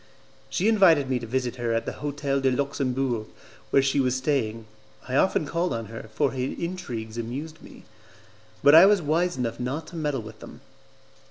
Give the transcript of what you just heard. She invited me to visit her at the Hotel de Luxembourg, where she was staying. I often called on her, for her intrigues amused me, but I was wise enough not to meddle with them.